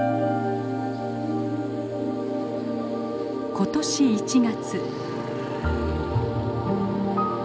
今年１月。